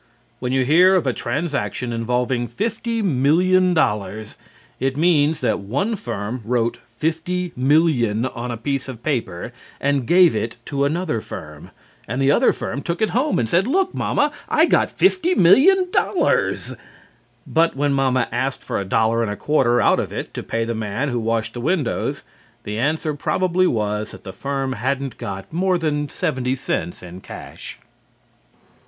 When you hear of a transaction involving $50,000,000 it means that one firm wrote "50,000,000" on a piece of paper and gave it to another firm, and the other firm took it home and said "Look, Momma, I got $50,000,000!" But when Momma asked for a dollar and a quarter out of it to pay the man who washed the windows, the answer probably was that the firm hadn't got more than seventy cents in cash.